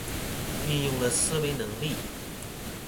運用了思維能力